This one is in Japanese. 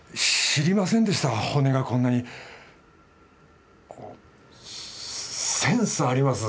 知りませんでした骨がこんなにこうセンスあります